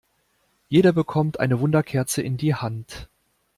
Jeder bekommt eine Wunderkerze in die Hand.